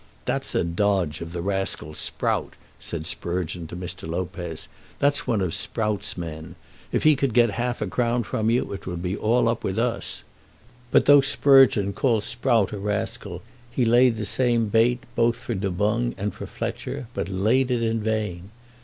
"That's a dodge of that rascal Sprout," said Sprugeon to Mr. Lopez. "That's one of Sprout's men. If he could get half a crown from you it would be all up with us." But though Sprugeon called Sprout a rascal, he laid the same bait both for Du Boung and for Fletcher; but laid it in vain.